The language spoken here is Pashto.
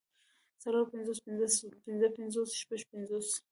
څلور پنځوس پنځۀ پنځوس شپږ پنځوس